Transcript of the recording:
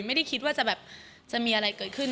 ไม่ได้คิดว่าจะแบบจะมีอะไรเกิดขึ้น